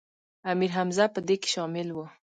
امیر حمزه په دې کې شامل و.